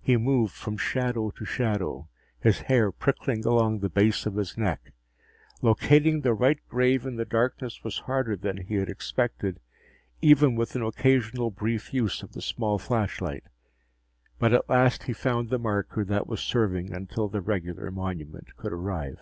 He moved from shadow to shadow, his hair prickling along the base of his neck. Locating the right grave in the darkness was harder than he had expected, even with an occasional brief use of the small flashlight. But at last he found the marker that was serving until the regular monument could arrive.